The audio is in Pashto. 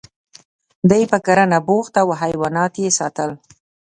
دی په کرنه بوخت و او حیوانات یې ساتل